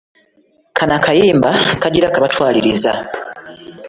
Kano akayimba kagira kabatwaliriza.